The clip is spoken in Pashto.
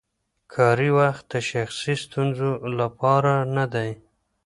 کاري وخت د شخصي ستونزو لپاره نه دی.